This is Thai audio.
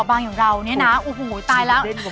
แม่ยังไม่เป็นผู้ใหญ่